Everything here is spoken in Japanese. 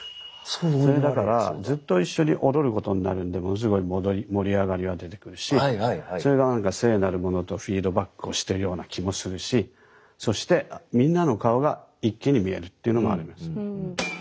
それだからずっと一緒に踊ることになるんでものすごい盛り上がりが出てくるしそれが聖なるものとフィードバックをしてるような気もするしそしてみんなの顔が一気に見えるっていうのもあります。